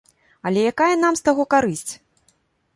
Але якая нам з таго карысць?